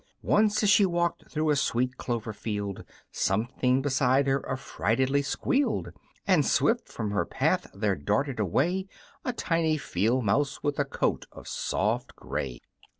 Once, as she walked through a sweet clover field, Something beside her affrightedly squealed, And swift from her path there darted away A tiny field mouse, with a coat of soft gray.